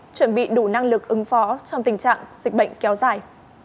chuẩn bị đủ năng lực ứng phó trong tình trạng dịch bệnh kéo dài